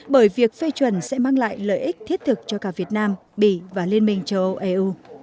bởi việc phê chuẩn sẽ mang lại lợi ích thiết thực cho cả việt nam bỉ và liên minh châu âu eu